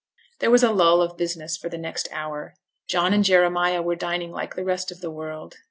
There was a lull of business for the next hour. John and Jeremiah were dining like the rest of the world.